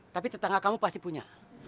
tapi tetangga kamu pasti punya